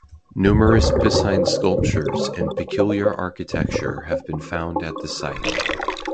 Numerous piscine sculptures and peculiar architecture have been found at the site.